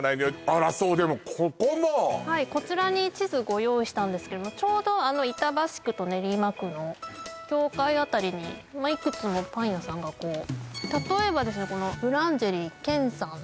あらそうでもここもはいこちらに地図ご用意したんですけれどもちょうど板橋区と練馬区の境界辺りにいくつもパン屋さんがこう例えばですねこのＢＯＵＬＡＮＧＥＲＩＥＫＥＮさん